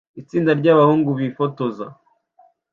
Itsinda ryabahungu bifotoza